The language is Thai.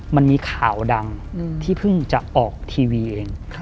มันมีข่าวดำอืมที่เพิ่งจะออกทีวีเองครับ